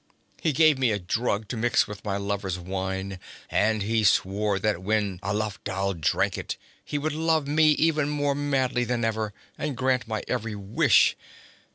He gave me a drug to mix with my lover's wine, and he swore that when Alafdhal drank it, he would love me even more madly than ever, and grant my every wish.